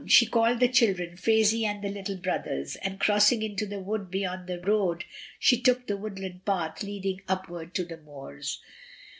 She called the children, Phraisie and the little brothers, and cross ing into the wood beyond the road, she took the woodland path leading upwards to the moors.